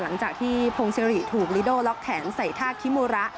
หลังจากที่พงศิริถูกลิโดล็อกแขนใส่ท่าคิโมระ